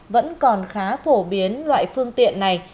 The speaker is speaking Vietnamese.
vẫn còn khá phổ biến loại phương tiện này